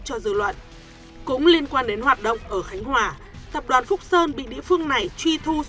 cho dư luận cũng liên quan đến hoạt động ở khánh hòa tập đoàn phúc sơn bị địa phương này truy thu